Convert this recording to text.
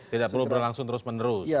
tidak perlu berlangsung terus menerus